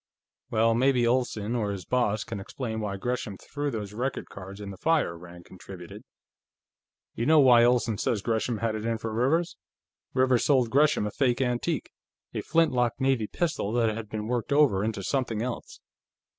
"Well, maybe Olsen, or his boss, can explain why Gresham threw those record cards in the fire," Rand contributed. "You know why Olsen says Gresham had it in for Rivers? Rivers sold Gresham a fake antique, a flint lock navy pistol that had been worked over into something else.